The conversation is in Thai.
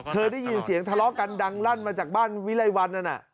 ได้ยินเสียงทะเลาะกันดังลั่นมาจากบ้านวิไลวันนั้น